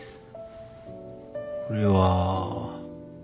これは。